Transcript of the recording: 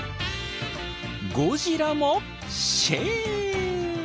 ゴジラも「シェー！」。